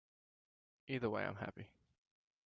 Either way, I’m happy.